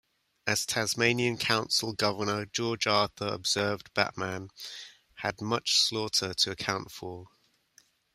As Tasmanian Colonial Governor, George Arthur, observed, Batman "...had much slaughter to account for".